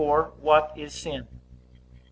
What is sin? A.